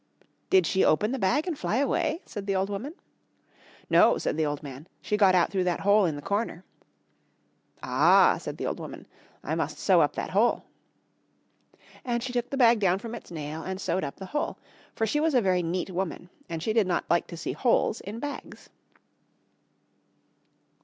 "Did she open the bag and fly away?" said the old woman. "No," said the old man. "She got out through that hole in the corner." "Ah," said the old woman, "I must sew up that hole." And she took the bag down from its nail and sewed up the hole. For she was a very neat woman and she did not like to see holes in bags.